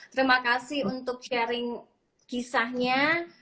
terima kasih untuk sharing kisahnya